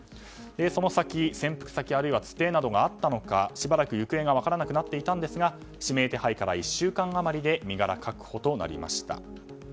その潜伏先つてなどがあったのかしばらく行方が分からなくなっていたんですが指名手配から１週間余りで身柄確保となりました。